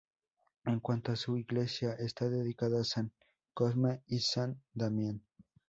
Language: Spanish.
En cuanto a su iglesia, está dedicada a San Cosme y San Damián.